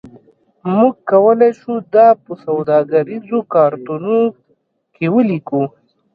موږ کولی شو دا په سوداګریزو کارتونو کې ولیکو